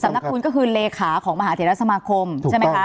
สำนักพุทธก็คือเลขาของมหาเทศรัฐสมาคมใช่ไหมคะ